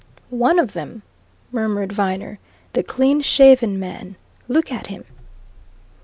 "One of them," murmured Viner. "The clean shaven man. Look at him!"